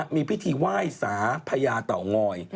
มีพิธีไหว้สาพญาเต่างอย